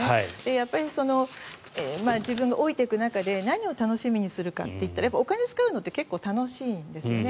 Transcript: やっぱり自分が老いていく中で何を楽しみにするかといったらお金を使うのって結構、楽しいんですよね。